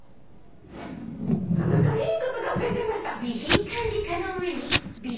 田中いいこと考えちゃいました！